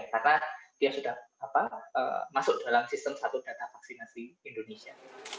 karena dia sudah masuk dalam sistem satu data vaksinasi indonesia